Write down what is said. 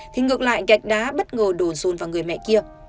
thì ngược lại gạch đá bất ngờ đồn xuôn vào người mẹ kia